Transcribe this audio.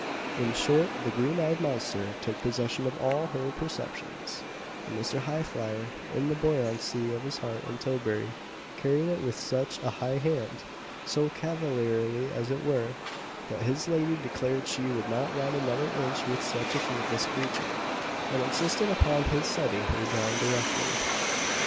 In short the "green eyed monster" took possession of all her perceptions; and Mr. Highflyer, in the buoyancy of his heart and tilbury, carried it with such a high hand so cavalierly as it were, that his lady declared she would not ride another inch with such a faithless creature, and insisted upon his setting her down directly.